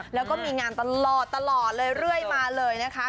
แล้วก็มีงานตลอดเรื่อยมาเลยนะคะ